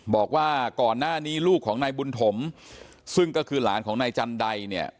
บอกว่าก่อนหน้านี้ลูกของนายบุญถมซึ่งก็คือหลานของนายจันไดเนี่ย